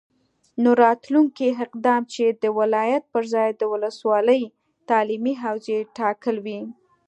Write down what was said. نو راتلونکی اقدام چې د ولایت پرځای د ولسوالي تعلیمي حوزې ټاکل وي،